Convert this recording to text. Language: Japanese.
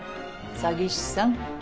詐欺師さん。